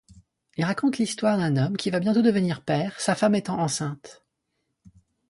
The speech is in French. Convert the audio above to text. Il raconte l'histoire d'un homme qui va bientôt devenir père, sa femme étant enceinte.